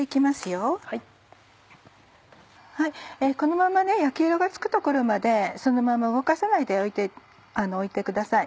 このまま焼き色がつくところまでそのまま動かさないでおいてください。